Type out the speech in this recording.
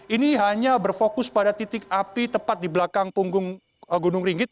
ini hanya berfokus pada titik api tepat di belakang punggung gunung ringgit